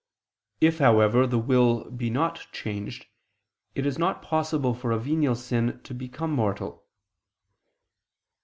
If, however, the will be not changed, it is not possible for a venial sin to become mortal.